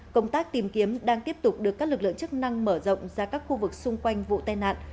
công tác tìm kiếm đang tiếp tục được các lực lượng chức năng mở rộng ra các khu vực xung quanh vụ tai nạn